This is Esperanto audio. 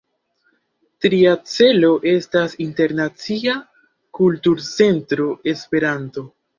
Tria celo estas Internacia Kulturcentro Esperanto.